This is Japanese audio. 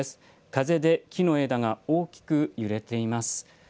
風で木の枝が大きく揺れています。